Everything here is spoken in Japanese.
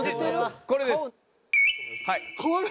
これです。